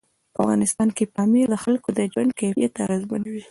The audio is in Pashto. په افغانستان کې پامیر د خلکو د ژوند کیفیت اغېزمنوي.